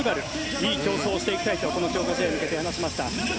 いい競争をしていきたいとこの強化試合に向けて話しました。